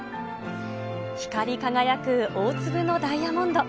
光り輝く大粒のダイヤモンド。